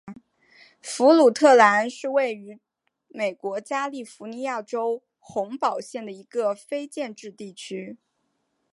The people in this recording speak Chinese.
弗鲁特兰是位于美国加利福尼亚州洪堡县的一个非建制地区。